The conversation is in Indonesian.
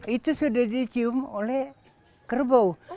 itu sudah dicium oleh kerbau